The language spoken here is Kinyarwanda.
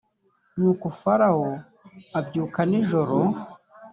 nuko farawo abyuka nijoro